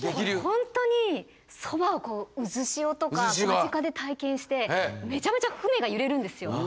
本当にそばを渦潮とか間近で体験してめちゃめちゃ船が揺れるんですよ。